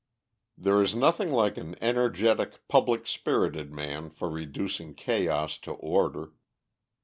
There is nothing like an energetic public spirited man for reducing chaos to order.